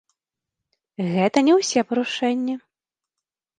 Гэта не ўсе парушэнні.